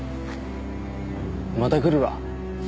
また来るわ。